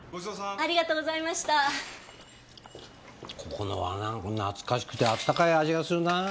ここのは何か懐かしくてあったかい味がするなぁ。